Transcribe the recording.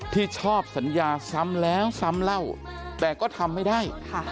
แต่ก็ทำไม่ได้